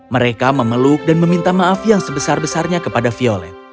mereka memeluk dan meminta maaf yang sebesar besarnya kepada violet